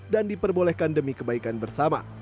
dan diperbolehkan demi kebaikan bersama